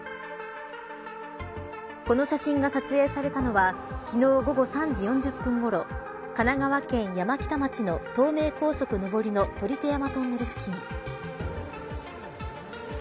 この写真が撮影されたのは昨日午後３時４０分ごろ神奈川県山北町の東名高速上りの鳥手山トンネル付近。